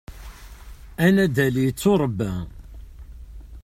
Anaddal yetturebba.